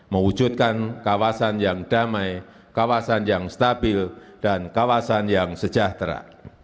mewujudkan kawasan yang damai kawasan yang stabil dan kawasan yang sejahtera